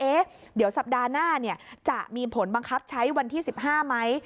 เดี๋ยวสัปดาห์หน้าจะมีผลบังคับใช้วันที่๑๕ไหม